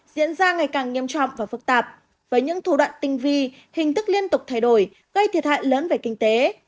diễn ra ngày càng nghiêm trọng và phức tạp với những thủ đoạn tinh vi hình thức liên tục thay đổi gây thiệt hại lớn về kinh tế